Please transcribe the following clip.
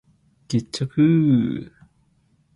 決着ゥゥゥゥゥ！